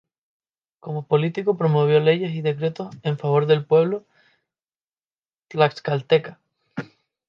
Como político promovió leyes y decretos en favor del pueblo tlaxcalteca.